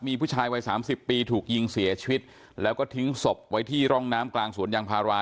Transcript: มีผู้ชายวัยสามสิบปีถูกยิงเสียชีวิตแล้วก็ทิ้งศพไว้ที่ร่องน้ำกลางสวนยางพารา